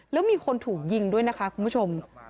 แล้วมีคนถูกยิงด้วยนะคะคุณผู้ชม